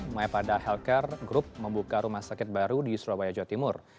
maipada health care group membuka rumah sakit baru di surabaya jawa timur